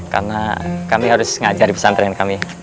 karena kami harus mengajar di pesantren kami